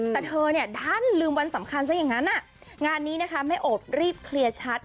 แต่เธอเนี่ยดันลืมวันสำคัญซะอย่างนั้นงานนี้นะคะแม่โอบรีบเคลียร์ชัด